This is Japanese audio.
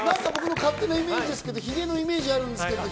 僕の勝手なイメージですけど、髭のイメージがあるんですが。